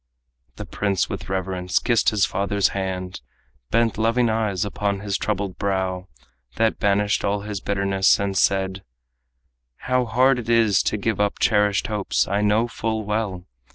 The prince with reverence kissed his father's hand, Bent loving eyes upon his troubled brow That banished all his bitterness and said: "How hard it is to give up cherished hopes I know full well.